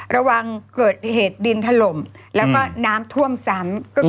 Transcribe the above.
ระวังเกิดเหตุดินถล่มแล้วก็น้ำท่วมซ้ำ